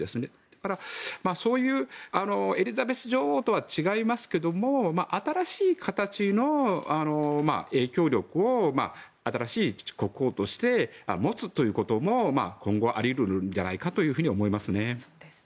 だから、そういうエリザベス女王とは違いますけれど新しい形の影響力を新しい国王として持つということも今後、あり得るんじゃないかなと思いますね。